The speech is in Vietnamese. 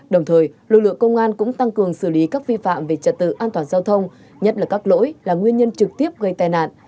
đồng thời lực lượng công an cũng tăng cường xử lý các vi phạm về trật tự an toàn giao thông nhất là các lỗi là nguyên nhân trực tiếp gây tai nạn